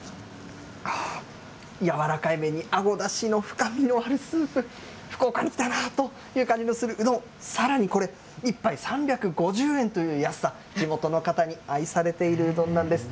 軟らかい麺に、あごだしの深みのあるスープ、福岡に来たなという感じのするうどん、さらにこれ、１杯３５０円という安さ、地元の方に愛されているうどんなんです。